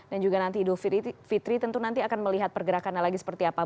dan juga nanti ido fitri tentu nanti akan melihat pergerakan lagi seperti apa